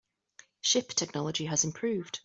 Ship technology has improved.